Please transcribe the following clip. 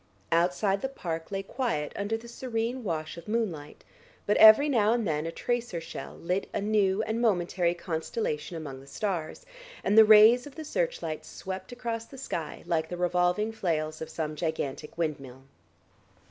Outside the Park lay quiet under the serene wash of moonlight, but every now and then a tracer shell lit a new and momentary constellation among the stars, and the rays of the searchlight swept across the sky like the revolving flails of some gigantic windmill.